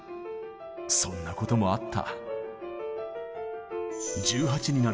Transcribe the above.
そんなこともあった